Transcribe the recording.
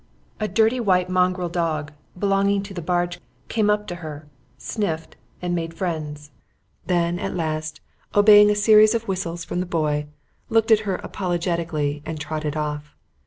A dirty white mongrel dog belonging to the barge came up to her, sniffed, and made friends; then, at last obeying a series of whistles from the boy, looked at her apologetically and trotted off.